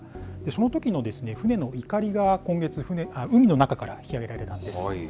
そのときの船のいかりが今月、海の中から引き揚げられたんです。